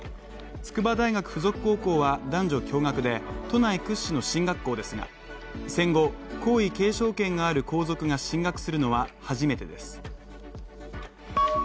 筑波大学附属高校は男女共学で都内屈指の進学校ですが戦後、皇位継承権がある皇族が進学するのは初めてです。